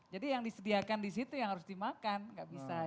jadi yang disediakan di situ yang harus dimakan gak bisa